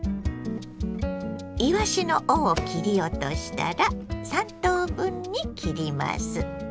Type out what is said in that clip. いわしの尾を切り落としたら３等分に切ります。